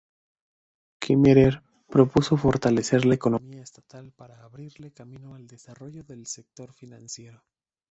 Kemmerer propuso fortalecer la economía estatal para abrirle camino al desarrollo del sector financiero.